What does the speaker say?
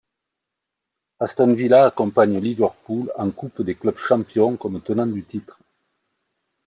Aston Villa accompagne Liverpool en Coupe des clubs champions comme tenant du titre.